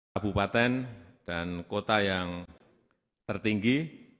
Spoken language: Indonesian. kabupaten dan kota yang tertinggi